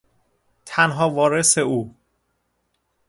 تنها وارث او